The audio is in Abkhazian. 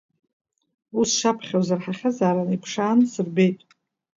Уа сшаԥхьоз раҳахьазаарын, иԥшаан, сырбеит.